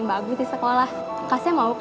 eh bangkuan men